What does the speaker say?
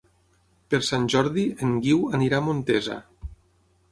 Per Sant Jordi en Guiu anirà a Montesa.